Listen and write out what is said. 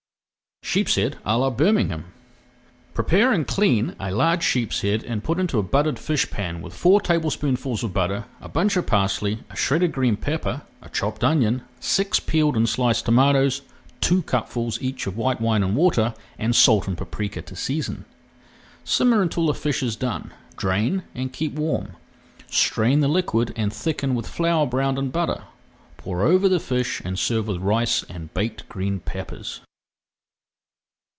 SHEEPSHEAD À LA BIRMINGHAM Prepare and clean a large sheepshead and put into a buttered fish pan with four tablespoonfuls of butter, a bunch of parsley, a shredded green pepper, a chopped onion, six peeled and sliced tomatoes, two cupfuls each of white wine and water, and salt and paprika to season. Simmer until the fish is done, drain, and keep warm. Strain the liquid and thicken with flour browned in butter. Pour [Page 358] over the fish and serve with rice and baked green peppers.